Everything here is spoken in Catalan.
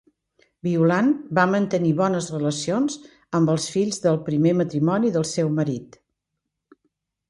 Violant va mantenir bones relacions amb els fills del primer matrimoni del seu marit.